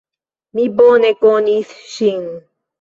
Mi bone konis ŝin.